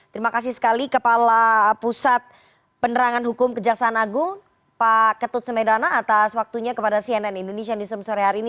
terima kasih sekali kepala pusat penerangan hukum kejaksaan agung pak ketut sumedana atas waktunya kepada cnn indonesia newsroom sore hari ini